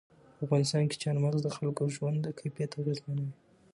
په افغانستان کې چار مغز د خلکو ژوند کیفیت اغېزمنوي.